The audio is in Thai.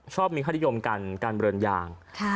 ชอบมีควารยมการเบลือนยาง